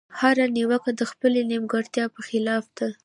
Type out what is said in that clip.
هره نيوکه د خپلې نيمګړتيا په خلاف ده.